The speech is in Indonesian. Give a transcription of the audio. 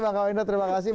bang kawinot terima kasih